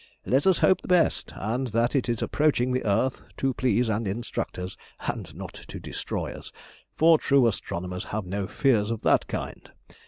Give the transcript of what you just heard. Let us hope the best, and that it is approaching the earth to please and instruct us, and not to destroy us, for true astronomers have no fears of that kind.